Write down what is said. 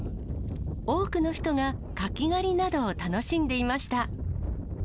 多くの人がカキ狩りなどを楽しんでいました。